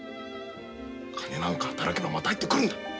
金なんか働けばまた入ってくるんだ。